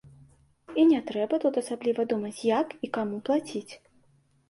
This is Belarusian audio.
І не трэба тут асабліва думаць, як і каму плаціць.